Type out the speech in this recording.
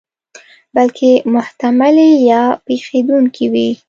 بلکې محتملې یا پېښېدونکې وي.